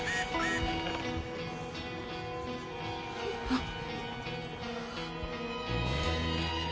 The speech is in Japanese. あっ。